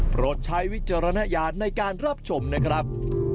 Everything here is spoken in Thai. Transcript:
ใช้วิจารณญาณในการรับชมนะครับ